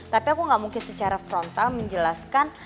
tapi aku gak mungkin secara frontal menjelaskan